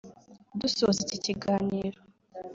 Dusoza iki kiganiro